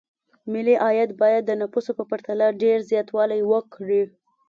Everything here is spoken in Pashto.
ملي عاید باید د نفوسو په پرتله ډېر زیاتوالی وکړي.